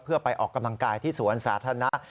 เพื่อไปออกกำลังกายที่สวนสาธารณะ